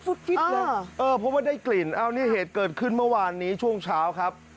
เพราะว่าได้กลิ่นเหตุเกิดขึ้นเมื่อวานนี้ช่วงเช้าครับ